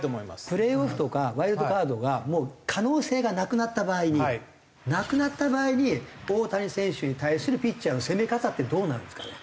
プレーオフとかワイルドカードがもう可能性がなくなった場合になくなった場合に大谷選手に対するピッチャーの攻め方ってどうなるんですかね？